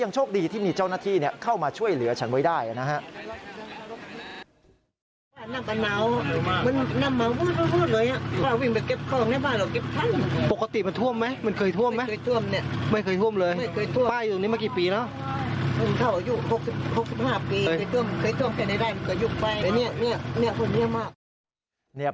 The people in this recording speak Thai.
โชคดีที่มีเจ้าหน้าที่เข้ามาช่วยเหลือฉันไว้ได้นะครับ